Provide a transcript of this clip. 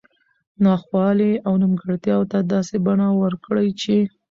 نا خوالي او نیمګړتیاوو ته داسي بڼه ورکړي چې